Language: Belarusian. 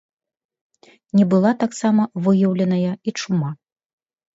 Не была таксама выяўленая і чума.